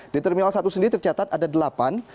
di terminal satu sendiri tercatat ada delapan